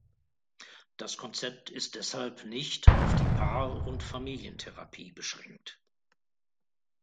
Das Konzept ist deshalb nicht auf die Paar- und Familientherapie beschränkt.